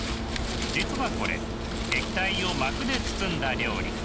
実はこれ液体を膜で包んだ料理。